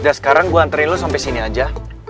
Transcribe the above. udah sekarang gue anterin lo sampai sini aja